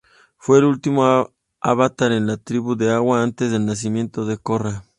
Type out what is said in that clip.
Fue el último avatar de la Tribu del Agua, antes del nacimiento de Korra.